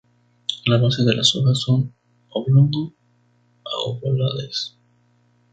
La base de las hojas son oblongo-aovalades.